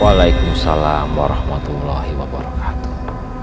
waalaikumsalam warahmatullahi wabarakatuh